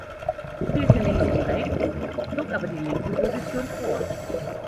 Spielte links wie rechts, zog aber die linke Position vor.